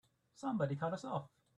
Somebody cut us off!